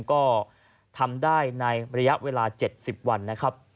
ก็ทำได้ในระยะเวลา๗๐วันนะครับ